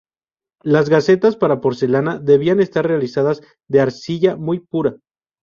Las gacetas para porcelana debían estar realizadas de arcilla muy pura.